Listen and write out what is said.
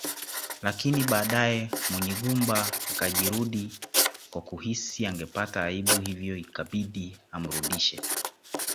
Lakini baadaye Munyigumba akajirudi kwa kuhisi angepata aibu hivyo ikabidi amrudishe